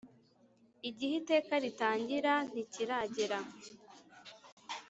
igihe Iteka ritangira ntikiragra.